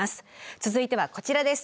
続いてはこちらです。